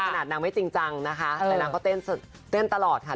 นางไม่จริงจังนะคะแต่นางก็เต้นตลอดค่ะ